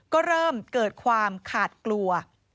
ก็เริ่มเกิดความขาดกลัว